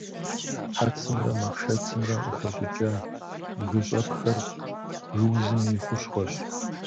Хьэцымрэ махъшэцымрэ къыхэщӏыкӏа бгыщӏэпхэр бгыузым и хущхъуэщ.